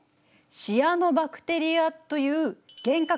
シアノバクテリアという原核